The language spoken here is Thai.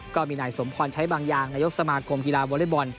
ก็มีนายสมพรใช้บางอย่างนายกสมาคมกีฬาวอเล็กบอล